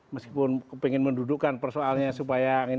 meskipun pengen mendudukkan persoalnya supaya